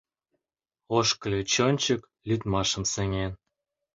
Ошкыльыч ончык, лӱдмашым сеҥен.